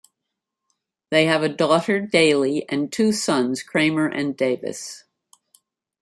They have a daughter, Daley, and two sons, Kramer and Davis.